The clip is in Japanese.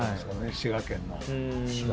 滋賀県の。